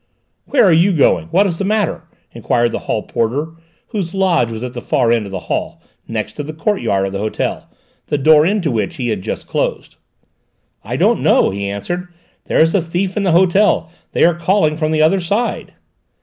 "Where are you going? What is the matter?" enquired the hall porter, whose lodge was at the far end of the hall, next to the courtyard of the hotel, the door into which he had just closed. "I don't know," he answered. "There is a thief in the hotel! They are calling from the other side."